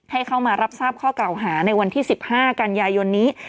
ให้เข้ามารับทราบข้อเก่าหาในวันที่๑๕กันยายนนี้